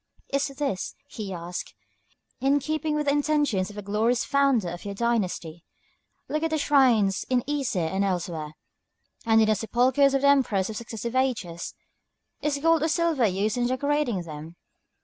"Is this," he asks, "in keeping with the intentions of the glorious founder of your dynasty? Look at the shrines in Isé and elsewhere, and at the sepulchres of the Emperors of successive ages. Is gold or silver used in decorating them?"